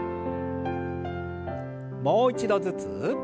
もう一度ずつ。